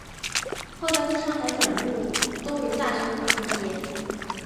后在赴上海转入东吴大学法科毕业。